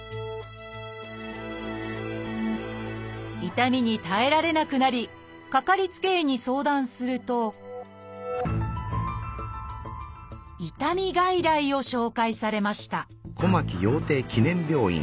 痛みに耐えられなくなりかかりつけ医に相談すると「痛み外来」を紹介されました